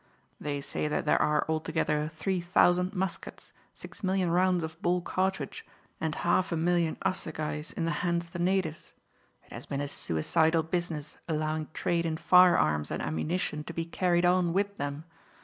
They say that there are altogether three thousand muskets, six million rounds of ball cartridge, and half a million assegais in the hands of the natives. It has been a suicidal business allowing trade in firearms and ammunition to be carried on with them.